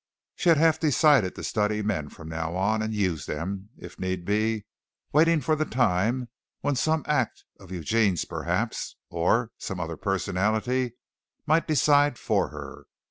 She had half decided to study men from now on, and use them, if need be, waiting for the time when some act, of Eugene's, perhaps, or some other personality, might decide for her.